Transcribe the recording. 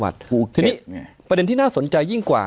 ทีนี้ประเด็นที่น่าสนใจยิ่งกว่า